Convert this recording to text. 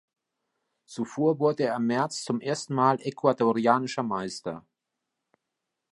Zuvor wurde er im März zum ersten Mal Ecuadorianischer Meister.